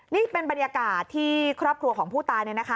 นี่เป็นบรรยากาศที่ครอบครัวของผู้ตายเนี่ยนะคะ